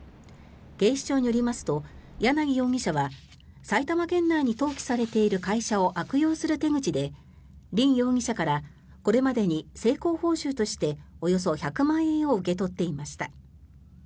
警視庁によりますと楊容疑者は埼玉県内に登記されている会社を悪用する手口でリン容疑者からこれまでに成功報酬としておよそ１００万円を受け取っていました。